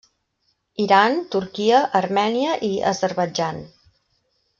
Iran, Turquia, Armènia i Azerbaidjan.